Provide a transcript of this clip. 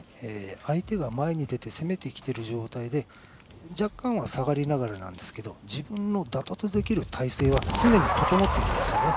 相手が前に出て攻めてきている状態で若干下がりながらですが自分の打突できる体勢は常に整っているんですよね。